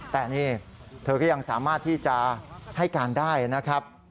แต่นี่เธอก็ยังสามารถที่จะให้การได้นะครับ